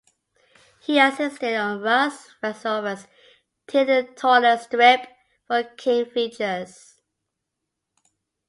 He assisted on Russ Westover's "Tillie the Toiler" strip for King Features.